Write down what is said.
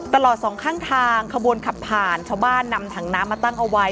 สองข้างทางขบวนขับผ่านชาวบ้านนำถังน้ำมาตั้งเอาไว้